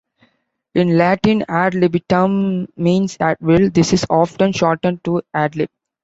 In Latin, "ad libitum" means "at will"; this is often shortened to "ad lib".